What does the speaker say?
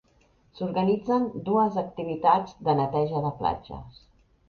S'organitzen dues activitats de neteja de platges.